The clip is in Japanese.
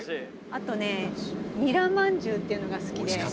「あとねニラまんじゅうっていうのが好きで」